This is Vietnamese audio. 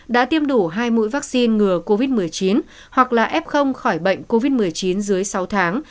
đã tiêm đủ hai mũi vaccine ngừa covid một mươi chín hoặc là f khỏi bệnh covid một mươi chín dưới sáu tháng